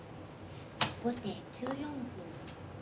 後手９四歩。